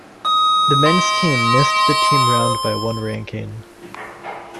The men's team missed the team round by one ranking.